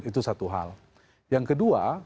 itu satu hal yang kedua